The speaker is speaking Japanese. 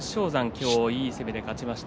今日は、いい攻めで勝ちました。